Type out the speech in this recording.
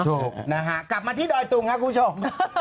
เชียวจราดนะฮะกลับมาที่ดอยตุ้งค่ะคุณผู้ชม